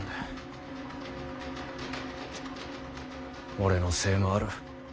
俺のせいもある。